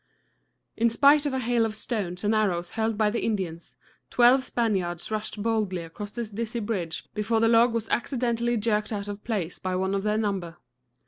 In spite of a hail of stones and arrows hurled by the Indians, twelve Spaniards rushed boldly across this dizzy bridge before the log was accidentally jerked out of place by one of their number.